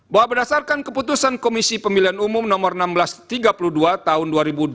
bahwa berdasarkan keputusan komisi pemilihan umum no seribu enam ratus tiga puluh dua tahun dua ribu dua puluh